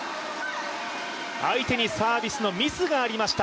相手にサービスのミスがありました